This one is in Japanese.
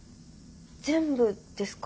全部ですか？